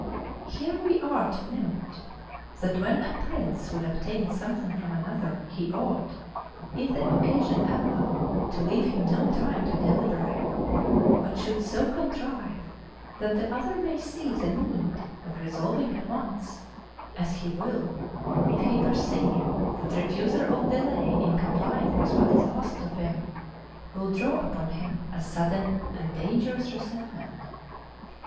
Here we are to note that when a prince would obtain something from another, he ought, if the occasion allow, to leave him no time to deliberate, but should so contrive that the other may see the need of resolving at once; as he will, if he perceive that refusal or delay in complying with what is asked of him, will draw upon him a sudden and dangerous resentment.